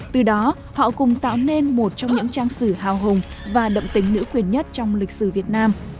từ đó họ cùng tạo nên một trong những trang sử hào hùng và đậm tính nữ quyền nhất trong lịch sử việt nam